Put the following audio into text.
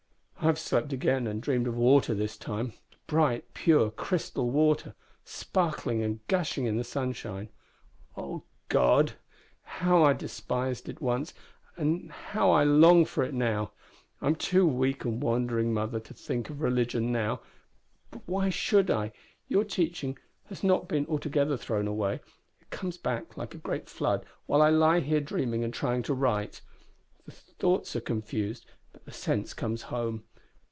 I have slept again, and dreamed of water this time bright, pure, crystal water sparkling and gushing in the sunshine. O God! how I despised it once, and how I long for it now! I am too weak and wandering, mother, to think about religion now. But why should I? Your teaching has not been altogether thrown away; it comes back like a great flood while I lie here dreaming and trying to write. The thoughts are confused, but the sense comes home.